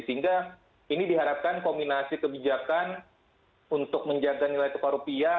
sehingga ini diharapkan kombinasi kebijakan untuk menjaga nilai tukar rupiah